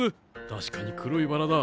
確かに黒いバラだ。